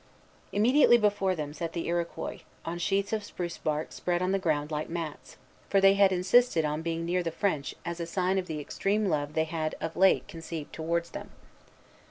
Immediately before them sat the Iroquois, on sheets of spruce bark spread on the ground like mats: for they had insisted on being near the French, as a sign of the extreme love they had of late conceived towards them.